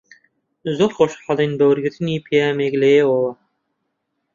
زۆر خۆشحاڵین بە وەرگرتنی پەیامێک لە ئێوەوە.